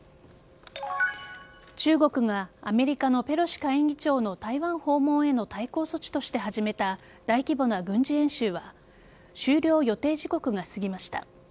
中国がアメリカのペロシ下院議長の台湾訪問への対抗措置として始めた大規模な軍事演習は終了予定時刻が過ぎました。